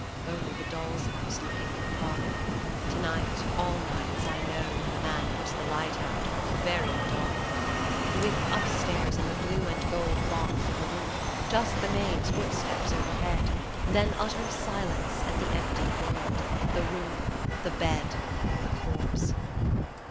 Only the doll's house looking on the Park To night, all nights, I know, when the man puts the lights out, very dark. With, upstairs, in the blue and gold box of a room, just the maids' footsteps overhead, Then utter silence and the empty world the room the bed The corpse